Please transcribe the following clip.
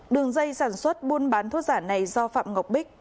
đường dây sản xuất buôn bán thuốc giả này do phạm ngọc bích